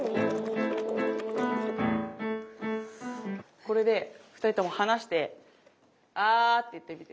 これで２人とも離してあーって言ってみて。